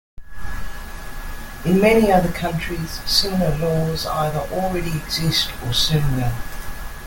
In many other countries similar laws either already exist or soon will.